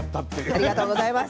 ありがとうございます。